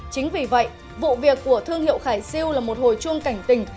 chính vì vậy vụ việc của thương hiệu khải siêu là một hồi chuông cảnh tỉnh